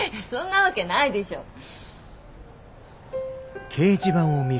そんなわけないでしょ。